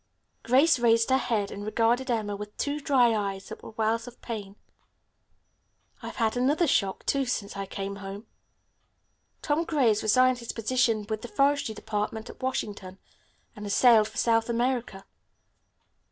Grace raised her head and regarded Emma with two dry eyes that were wells of pain. "I have had another shock, too, since I came home. Tom Gray has resigned his position with the Forestry Department at Washington, and has sailed for South America.